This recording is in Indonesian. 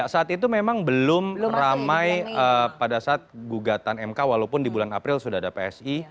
karena itu memang belum ramai pada saat gugatan mk walaupun di bulan april sudah ada psi